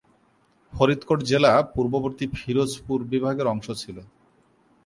ফরিদকোট জেলা পূর্ববর্তী ফিরোজপুর বিভাগের অংশ ছিল।